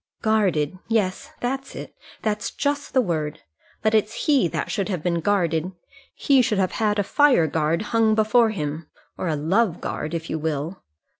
"Guarded! Yes, that's it; that's just the word. But it's he that should have been guarded. He should have had a fire guard hung before him or a love guard, if you will.